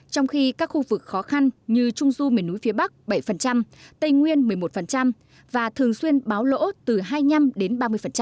trong khi các khu vực khó khăn như trung du miền núi phía bắc bảy tây nguyên một mươi một và thường xuyên báo lỗ từ hai mươi năm đến ba mươi